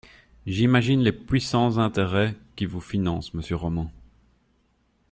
J’imagine les puissants intérêts qui vous financent, monsieur Roman